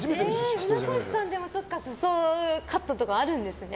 船越さんでも裾カットとかあるんですね。